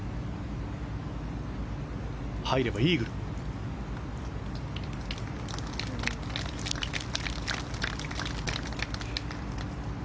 入ればイーグルでした。